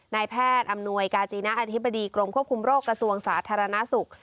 นายแพทย์อำนวยกาจีณะอธิบดีกรมควบคุมโรคกระทรวงสาธารณสุข